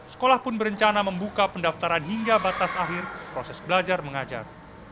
sekolah pun berencana membuka pendaftaran hingga batas akhir proses belajar mengajar